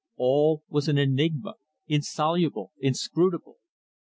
All was an enigma, insoluble, inscrutable.